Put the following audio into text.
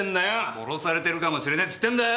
殺されてるかもしれねぇって言ってんだよ！